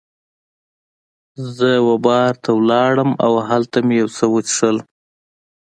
زه وه بار ته ولاړم او هلته مې یو څه وڅښل.